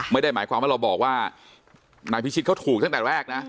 ไม่ได้หมายความว่าเราบอกว่านายพิชิตเขาถูกตั้งแต่แรกนะ